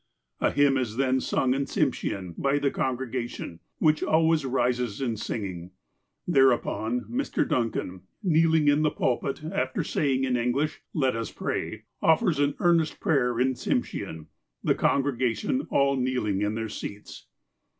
A hymn is then sung in Tsimshean by the congrega tion, which always rises in singing. Thereupon, Mr. Duncan, kneeling in the pulpit, after saying in English " Let us j)ray," offers an earnest prayer in Tsimshean, the congregation all kneeling in their seats.